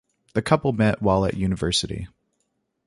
The couple met while at university.